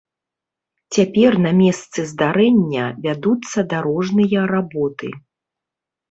Цяпер на месцы здарэння вядуцца дарожныя работы.